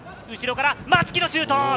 後ろから松木のシュート！